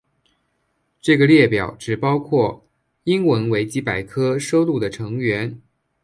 这个列表只包括英文维基百科收录的成员。